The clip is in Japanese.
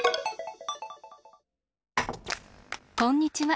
こんにちは！